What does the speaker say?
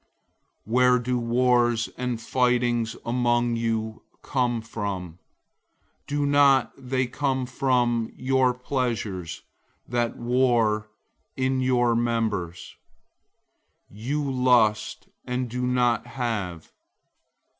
004:001 Where do wars and fightings among you come from? Don't they come from your pleasures that war in your members? 004:002 You lust, and don't have.